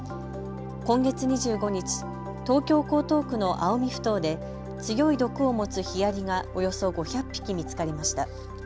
今月２５日、東京江東区の青海ふ頭で強い毒を持つヒアリがおよそ５００匹見つかりました。